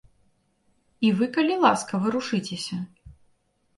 І вы, калі ласка, варушыцеся.